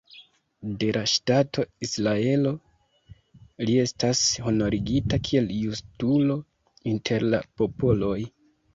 De la ŝtato Israelo li estas honorigita kiel "Justulo inter la popoloj".